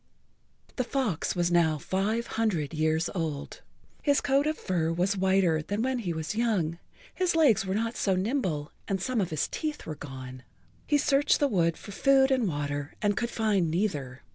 The fox was now five hundred years old. His coat of fur was whiter than when he was young, his legs were not so nimble and some of his teeth were gone. He searched the wood for food and water and could find neither.